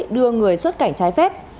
đưa người xuất cảnh trái phép